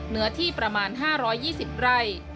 เนื้อที่ประมาณ๕๒๐ไร่